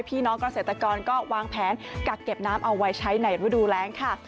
พี่น้องเกษตรกรก็วางแผนกักเก็บน้ำเอาไว้ใช้ในฤดูแรงค่ะ